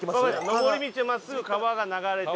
上り道を真っすぐ川が流れてて。